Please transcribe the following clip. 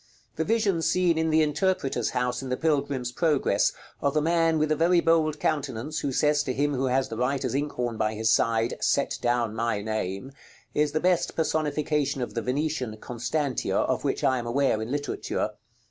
The vision seen in the interpreter's house in the Pilgrim's Progress, of the man with a very bold countenance, who says to him who has the writer's ink horn by his side, "Set down my name," is the best personification of the Venetian "Constantia" of which I am aware in literature.